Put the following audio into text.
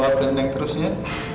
doakan dong terusnya